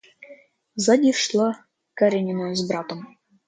Сзади шла Каренина с братом.